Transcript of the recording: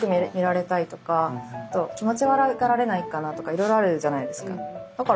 いろいろあるじゃないですか。